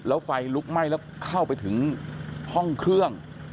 แล้วไฟลุกไหม้แล้วเข้าไปถึงห้องเครื่อง